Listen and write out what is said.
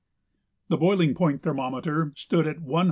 The boiling point thermometer stood at 174.